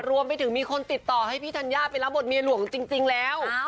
รวมไปถึงมีคนติดต่อให้พี่ธัญญาไปรับบทเมียหลวงจริงแล้ว